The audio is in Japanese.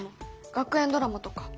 学園ドラマとか。